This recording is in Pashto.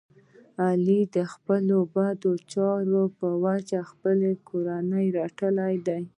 علی د خپلو بد چارو په جه خپلې کورنۍ رټلی دی.